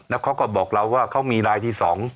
แล้วเขาก็บอกเราว่าเขามีรายที่๒